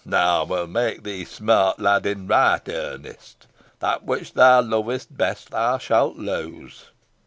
Now I will make thee smart, lad, in right earnest. That which thou lovest best thou shalt lose.'